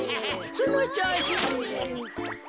そのちょうし。